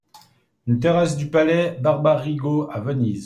Une terrasse du palais barbarigo, à Venise.